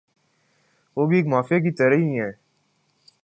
۔ وہ بھی ایک مافیا کی طرح ھی ھیں